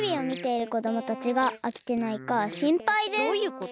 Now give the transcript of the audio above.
どういうこと？